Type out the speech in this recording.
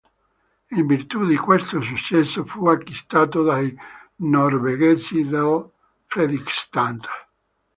In virtù di questo successo, fu acquistato dai norvegesi del Fredrikstad.